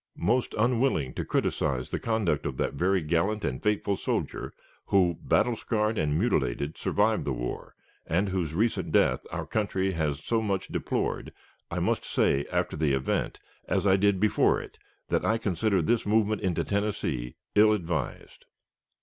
Most unwilling to criticise the conduct of that very gallant and faithful soldier who, battle scarred and mutilated, survived the war, and whose recent death our country has so much deplored, I must say after the event, as I did before it, that I consider this movement into Tennessee ill advised.